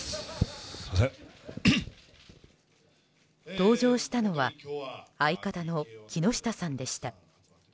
登場したのは相方の木下さんでした。